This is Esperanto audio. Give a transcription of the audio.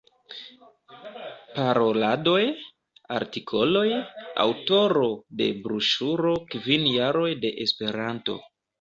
Paroladoj, artikoloj; aŭtoro de broŝuro Kvin jaroj de Esperanto.